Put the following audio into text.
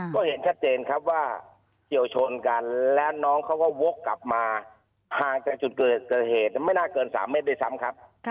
ก็เห็นชัดเจนครับว่าเฉียวชนกันแล้วน้องเขาก็วกกลับมาห่างจากจุดเกิดเหตุไม่น่าเกิน๓เมตรด้วยซ้ำครับ